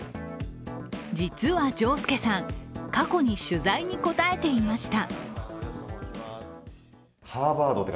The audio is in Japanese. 実は晟輔さん過去に取材に応えていました。